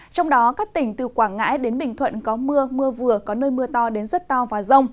trong đó các tỉnh từ quảng ngãi đến bình thuận có mưa mưa vừa có nơi mưa to đến rất to và rông